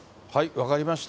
分かりました。